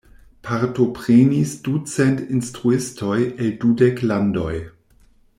Partoprenis ducent instruistoj el dudek landoj.